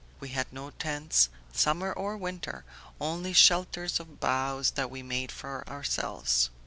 We had no tents, summer or winter, only shelters of boughs that we made for ourselves.